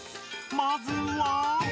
まずは？